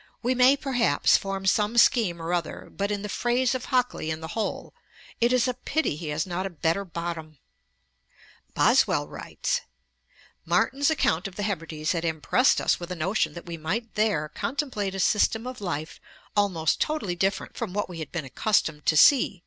We may, perhaps, form some scheme or other; but in the phrase of Hockley in the Hole, it is a pity he has not a better bottom.' Ib. note 1. Boswell writes: 'Martin's account of the Hebrides had impressed us with a notion that we might there contemplate a system of life almost totally different from what we had been accustomed to see....